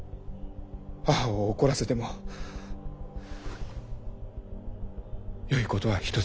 母を怒らせてもよいことは一つもない。